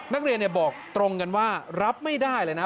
นักเรียนบอกตรงกันว่ารับไม่ได้เลยนะ